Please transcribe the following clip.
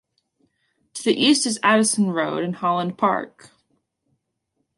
To the east is Addison Road and Holland Park.